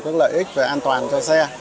các lợi ích và an toàn cho xe